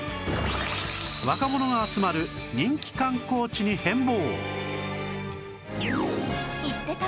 若者が集まる人気観光地に変貌